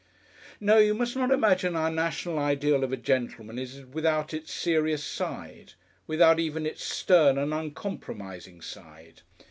No! you must not imagine our national ideal of a gentleman is without its "serious side," without even its stern and uncompromising side.